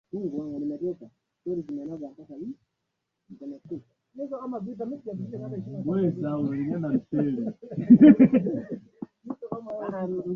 Iringa ya leomojaKatika mwezi wa pili mwaka elfu moja mia nane tisini